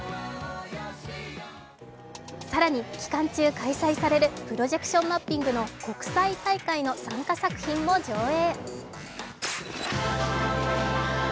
更に、期間中開催されるプロジェクションマッピングの国際大会の参加作品も上映。